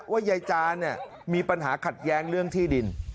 ยายจานเนี่ยมีปัญหาขัดแย้งเรื่องที่ดิน